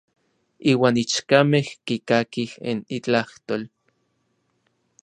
Iuan ichkamej kikakij n itlajtol.